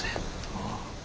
ああ。